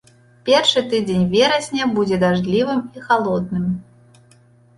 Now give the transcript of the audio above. Першы тыдзень верасня будзе дажджлівым і халодным.